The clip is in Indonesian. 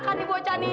kadi bocah ini